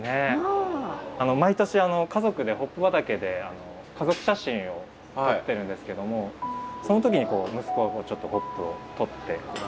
毎年家族でホップ畑で家族写真を撮ってるんですけどもその時に息子がちょっとホップを取って。